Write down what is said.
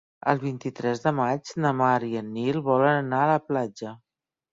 El vint-i-tres de maig na Mar i en Nil volen anar a la platja.